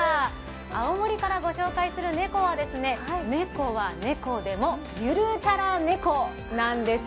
青森からご紹介する猫は、猫は猫でもゆるキャラ猫なんです。